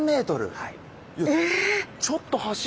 はい。